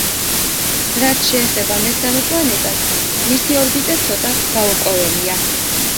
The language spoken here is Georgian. რაც შეეხება მესამე პლანეტას, მისი ორბიტა ცოტა გაურკვეველია.